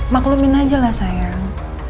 maklumin aja lah sayang